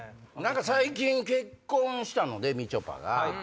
最近結婚したのでみちょぱが。